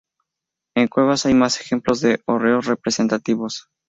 En Cuevas hay más ejemplos de hórreos representativos.